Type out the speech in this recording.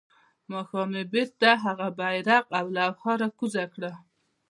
ماښام يې بيرته هغه بيرغ او لوحه راکوزه کړه.